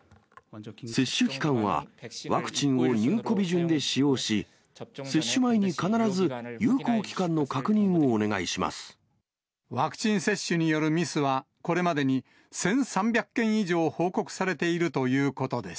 接種機関はワクチンを入庫日順で使用し、接種前に必ず、ワクチン接種によるミスは、これまでに１３００件以上報告されているということです。